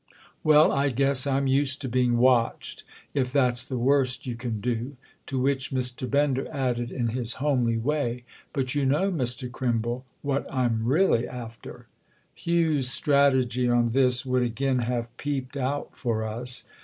"Well, I guess I'm used to being watched—if that's the worst you can do." To which Mr. Bender added in his homely way: "But you know, Mr. Crimble, what I'm really after." Hugh's strategy on this would again have peeped out for us.